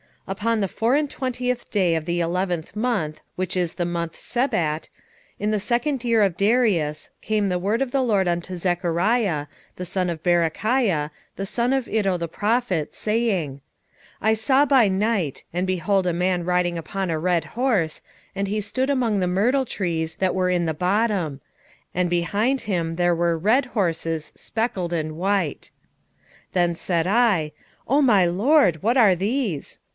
1:7 Upon the four and twentieth day of the eleventh month, which is the month Sebat, in the second year of Darius, came the word of the LORD unto Zechariah, the son of Berechiah, the son of Iddo the prophet, saying, 1:8 I saw by night, and behold a man riding upon a red horse, and he stood among the myrtle trees that were in the bottom; and behind him were there red horses, speckled, and white. 1:9 Then said I, O my lord, what are these?